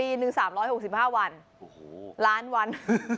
อีก๓๖๕วันล้านวัน